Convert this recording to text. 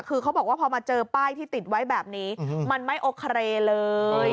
คือเขาบอกว่าพอมาเจอป้ายที่ติดไว้แบบนี้มันไม่โอเคเลย